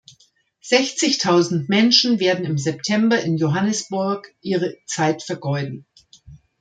Sechzigtausend Menschen werden im September in Johannesburg ihre Zeit vergeuden.